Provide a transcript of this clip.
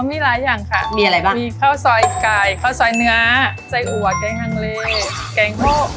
มีหลายอย่างค่ะมีอะไรบ้างมีข้าวซอยไก่ข้าวซอยเนื้อไส้อัวแกงฮังเลแกงโฮก